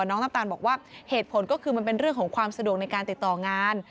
น้ำตาลบอกว่าเหตุผลก็คือมันเป็นเรื่องของความสะดวกในการติดต่องาน